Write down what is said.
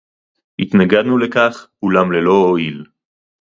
הִתְנַגַּדְנוּ לְכָךְ, אוּלָם לְלֹא הוֹעִיל.